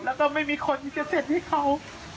แล้วก็ไม่มีคนที่จะเซ็นให้เขา